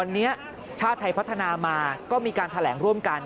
วันนี้ชาติไทยพัฒนามาก็มีการแถลงร่วมกัน